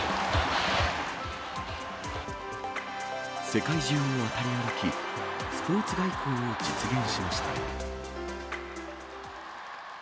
世界中を渡り歩き、スポーツ外交を実現しました。